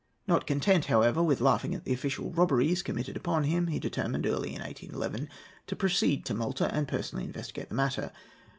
Not content, however, with laughing at the official robberies committed upon him, he determined, early in 1811, to proceed to Malta and personally investigate the matter.